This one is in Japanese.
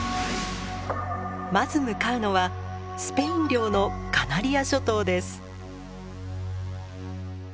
まず向かうのはスペイン領のカナリア諸島です。